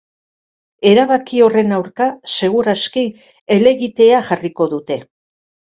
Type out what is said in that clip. Erabaki horren aurka, segur aski, helegitea jarriko dute.